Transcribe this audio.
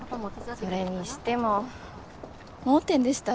それにしても盲点でした。